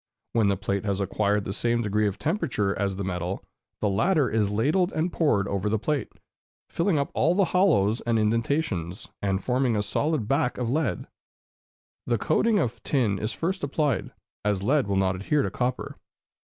When the plate has acquired the same degree of temperature as the metal, the latter is ladled and poured over the plate, filling up all the hollows and indentations, and forming a solid back of lead. The coating of tin is first applied, as lead will not adhere to copper.